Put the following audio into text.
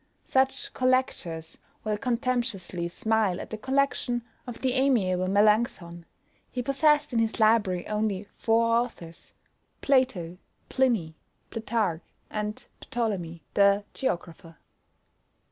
Such collectors will contemptuously smile at the collection of the amiable Melancthon. He possessed in his library only four authors, Plato, Pliny, Plutarch, and Ptolemy the geographer.